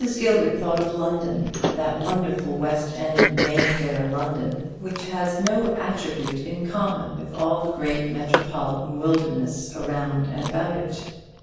Gilbert thought of London that wonderful West End, May Fair London, which has no attribute in common with all the great metropolitan wilderness around and about it.